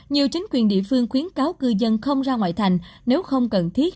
nhiều chính quyền địa phương khuyến cáo cư dân không ra ngoại thành nếu không cần thiết